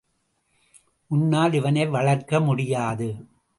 உன்னால் இவனை வளர்க்க முடியாது.